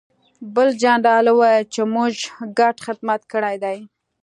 بل جنرال وویل چې موږ ګډ خدمت کړی دی